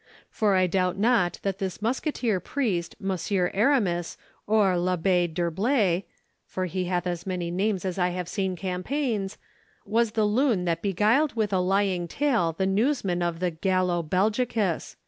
For I doubt not that this musketeer priest, Monsieur Aramis, or l'Abbé d'Herblay (for he hath as many names as I have seen campaigns), was the loon that beguiled with a lying tale the newsman of the "Gallo Belgicus."